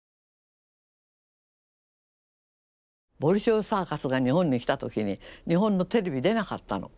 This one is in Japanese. ボリショイサーカスが日本に来た時に日本のテレビ出なかったの。